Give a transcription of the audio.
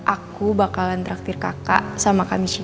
aku bakalan traktir kakak sama kamisih